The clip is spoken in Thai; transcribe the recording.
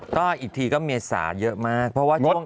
ก็อีกทีเมษาเยอะมากประาวังต้อง